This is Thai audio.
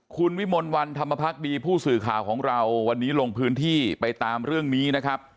คุณวิมลวันธรรมพักดีผู้สื่อข่าวของเราวันนี้ลงพื้นที่ไปตามเรื่องนี้นะครับ